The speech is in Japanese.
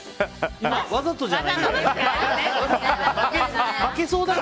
今、わざとじゃないんだよ。